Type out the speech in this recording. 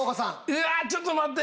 うわっちょっと待って！